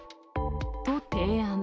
と提案。